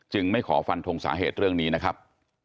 ไม่ขอฟันทงสาเหตุเรื่องนี้นะครับ